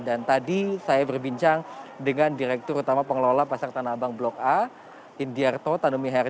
dan tadi saya berbincang dengan direktur utama pengelola pasar tanah abang blok a indiarto tanumi herja